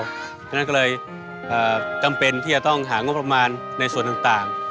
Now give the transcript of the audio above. เพราะฉะนั้นก็เลยจำเป็นที่จะต้องหางบประมาณในส่วนต่าง